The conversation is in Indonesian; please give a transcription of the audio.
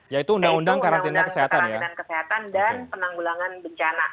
yaitu undang undang kekarantinaan kesehatan dan penanggulangan bencana